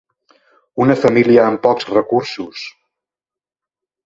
Una família amb pocs recursos.